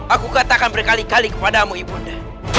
aku katakan berkali kali kepada mu ibu nda